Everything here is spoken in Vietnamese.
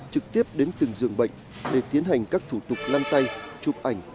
trực tiếp đến từng giường bệnh để tiến hành các thủ tục lăn tay chụp ảnh